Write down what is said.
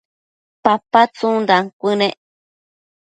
papa tsundan cuënec